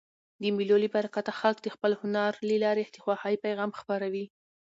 د مېلو له برکته خلک د خپل هنر له لاري د خوښۍ پیغام خپروي.